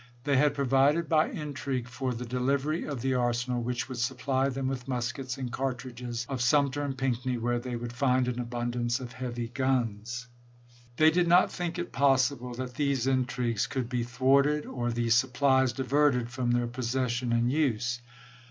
They had provided by intrigue for the " delivery " of the arsenal, which would supply them with muskets and cartridges ; of Sumter and Pinckney, where they would find an abun dance of heavy guns. They did not think it possi ble that these intrigues could be thwarted, or these supplies diverted from their possession and use.